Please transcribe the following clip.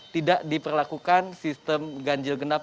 tidak diperlakukan sistem ganjil genap